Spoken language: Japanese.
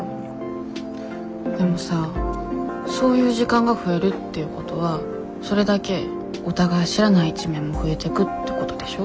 でもさそういう時間が増えるってことはそれだけお互い知らない一面も増えてくってことでしょ？